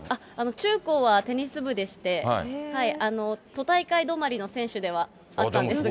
中高はテニス部でして、都大会止まりの選手ではあったんですが。